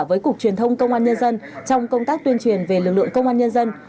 với cục truyền thông công an nhân dân trong công tác tuyên truyền về lực lượng công an nhân dân